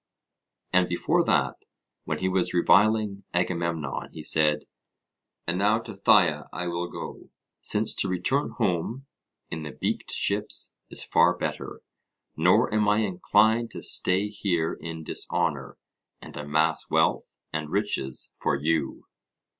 And before that, when he was reviling Agamemnon, he said, 'And now to Phthia I will go, since to return home in the beaked ships is far better, nor am I inclined to stay here in dishonour and amass wealth and riches for you.'